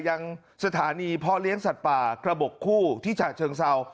ยังสถานีเพาะเลี้ยงสัตว์ป่ากระบบคู่ที่ฉะเชิงเศร้า